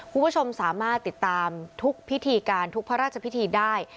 คุณผู้ชมสามารถติดตามทุกพิธีการทุกพระราชพิธีได้